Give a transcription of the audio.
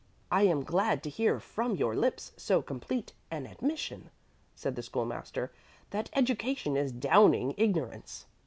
"I am glad to hear from your lips so complete an admission," said the School master, "that education is downing ignorance."